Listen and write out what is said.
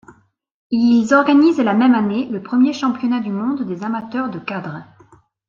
Ils organisent la même année le premier championnat du monde des amateurs de Cadre.